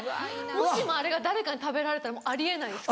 もしもあれが誰かに食べられたらあり得ないです。